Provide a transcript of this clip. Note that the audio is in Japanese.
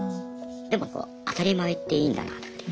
でもこう当たり前っていいんだなって。